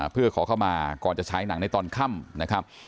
เพื่อขอเข้ามาก่อนจะใช้หนังในตอนค่ำนะครับ